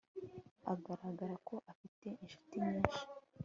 agaragara ko afite inshuti nyinshi